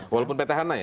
walaupun petahana ya